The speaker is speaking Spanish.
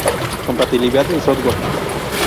Compatibilidad de software.